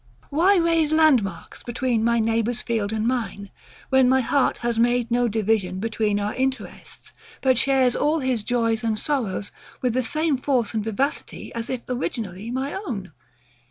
Why raise landmarks between my neighbour's field and mine, when my heart has made no division between our interests; but shares all his joys and sorrows with the same force and vivacity as if originally my own?